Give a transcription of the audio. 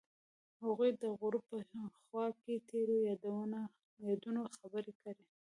هغوی د غروب په خوا کې تیرو یادونو خبرې کړې.